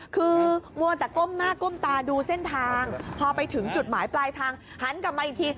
คือมัวแต่ก้มหน้าก้มตาดูเส้นทางพอไปถึงจุดหมายปลายทางหันกลับมาอีกที